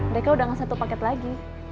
dekat udah ngasih satu paket lagi